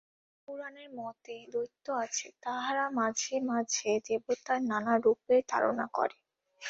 পুরাণের মতে দৈত্য আছে, তাহারা মাঝে মাঝে দেবতাদের নানারূপে তাড়না করে।